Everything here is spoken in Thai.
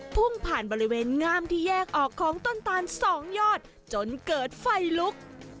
พุ่งผ่านบริเวณงามที่แยกออกของต้นตาลสองยอดจนเกิดไฟลุก